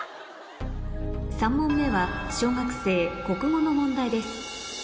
３問目は小学生国語の問題です